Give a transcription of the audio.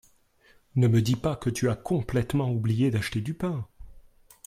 Ne me dis pas que tu as complètement oublié d'acheter du pain !